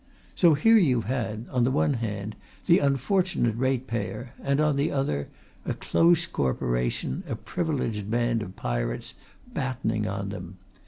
So here you've had, on the one hand, the unfortunate ratepayer and, on the other, a close Corporation, a privileged band of pirates, battening on them.